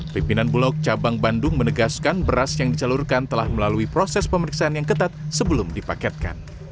pimpinan bulog cabang bandung menegaskan beras yang dicalurkan telah melalui proses pemeriksaan yang ketat sebelum dipaketkan